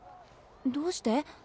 どうして？